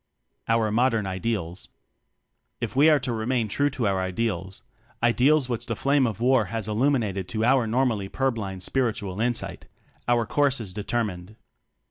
Our Modern Ideals. If we are to remain true to our ideals ideals which the flame of war has illumined to our normally pur blind spiritual insight our course is determined.